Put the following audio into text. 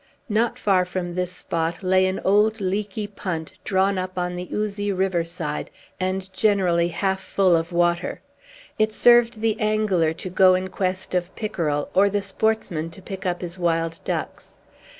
Not far from this spot lay an old, leaky punt, drawn up on the oozy river side, and generally half full of water. It served the angler to go in quest of pickerel, or the sportsman to pick up his wild ducks.